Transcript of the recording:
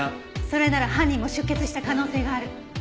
それなら犯人も出血した可能性がある。